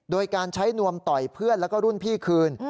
โดยการใช้นวมต่อยเพื่อนแล้วก็รุ่นพี่คืน